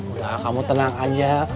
udah kamu tenang aja